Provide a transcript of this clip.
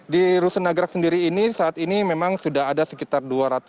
di rusun nagrak sendiri ini saat ini memang sudah ada sekitar dua ratus